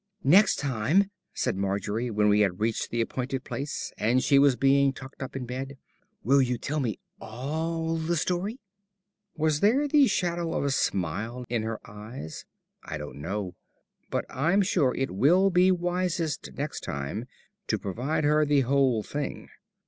"Next time," said Margery, when we had reached the appointed place and she was being tucked up in bed, "will you tell me all the story?" Was there the shadow of a smile in her eyes? I don't know. But I'm sure it will be wisest next time to promise her the whole thing.